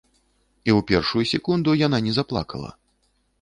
І ў першую секунду яна не заплакала.